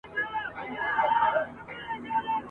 رنګ په رنګ پکښي بویونه د ګلونو ..